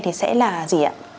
thì sẽ là gì ạ